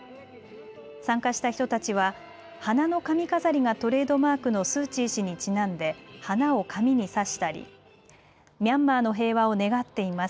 参加した人たちは花の髪飾りがトレードマークのスー・チー氏にちなんで花を髪に挿したりミャンマーの平和を願っています。